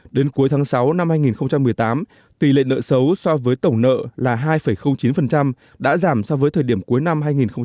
đến cuối tháng sáu năm hai nghìn một mươi tám tỷ lệ nợ xấu so với tổng nợ là hai chín đã giảm so với thời điểm cuối năm hai nghìn một mươi bảy